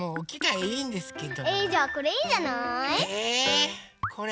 えじゃあこれいいんじゃない？えっ！これ？